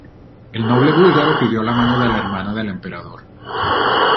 El noble búlgaro pidió la mano de la hermana del emperador.